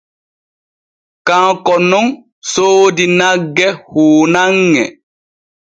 Kanko nun soodi nagge huunanŋe.